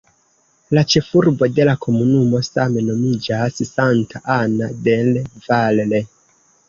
La ĉefurbo de la komunumo same nomiĝas "Santa Ana del Valle".